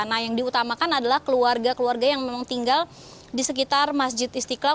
nah yang diutamakan adalah keluarga keluarga yang memang tinggal di sekitar masjid istiqlal